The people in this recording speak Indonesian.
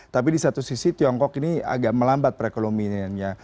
tapi di satu sisi tiongkok ini agak melambat perekonomiannya